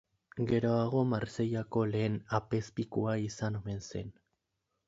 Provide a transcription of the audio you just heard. Geroago Marseillako lehen apezpikua izan omen zen.